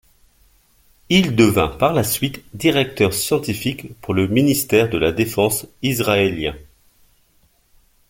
Il devint par la suite directeur scientifique pour le Ministère de la défense israélien.